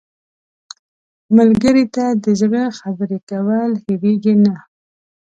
ملګری ته د زړه خبرې کول هېرېږي نه